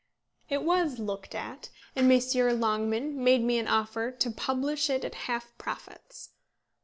It was "looked at," and Messrs. Longman made me an offer to publish it at half profits.